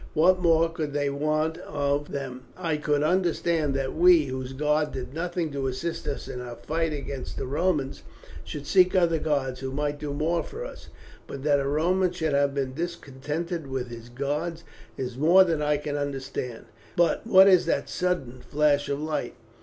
What more could they want of them? I could understand that we, whose god did nothing to assist us in our fight against the Romans, should seek other gods who might do more for us. But that a Roman should have been discontented with his gods is more than I can understand. But what is that sudden flash of light?"